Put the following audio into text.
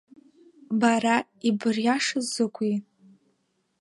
Бара, ибыриашаз закәи?